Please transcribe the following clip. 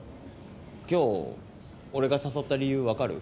今日俺が誘った理由分かる？